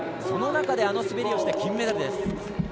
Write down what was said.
その中であの滑りをして金メダルです。